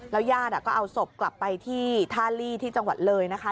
แล้วย่านก็เอาศพกลับไปที่ทาลีที่จังหวัดเลยนะคะ